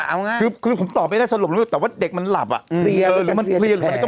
เอาไงคือคือผมตอบไม่ได้สลบแต่ว่าเด็กมันหลับอ่ะเออ